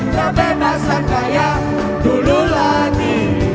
kebebasan kaya dulu lagi